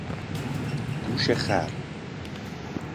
گوش خر